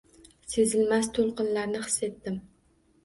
Sezilmas to’lqinlarni his etdim.